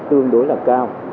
tương đối là cao